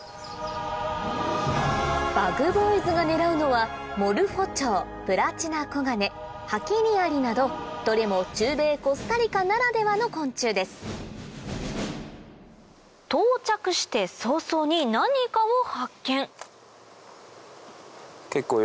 ＢｕｇＢｏｙｓが狙うのはモルフォチョウプラチナコガネハキリアリなどどれも中米コスタリカならではの昆虫です到着して早々に何かを発見